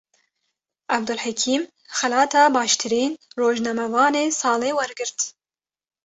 Abdulhekîm, xelata baştirîn rojnamevanê salê wergirt